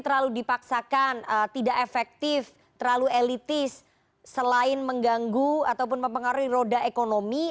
terlalu dipaksakan tidak efektif terlalu elitis selain mengganggu ataupun mempengaruhi roda ekonomi